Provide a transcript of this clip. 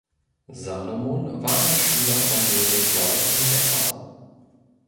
Salomon war ein Schüler von Joseph Wolf in Dessau.